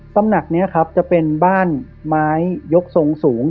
ตำหนักนี้ครับจะเป็นบ้านไม้ยกทรงสูง